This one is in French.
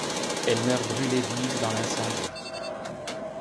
Elle meurt brûlée vive dans l'incendie.